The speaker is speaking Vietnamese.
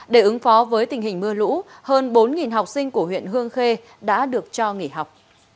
để ứng phó với tình hình mưa lũ hơn bốn học sinh của huyện hương khê đã được cho nghỉ học